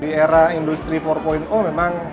di era industri empat memang